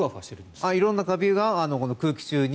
色んなカビが空気中に。